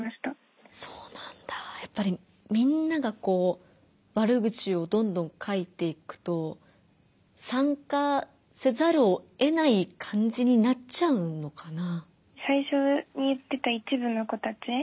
やっぱりみんながこう悪口をどんどん書いていくと参加せざるをえない感じになっちゃうのかな？